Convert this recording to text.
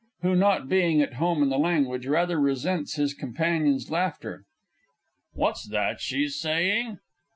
(who not being at home in the language, rather resents his companion's laughter). What's that she's saying?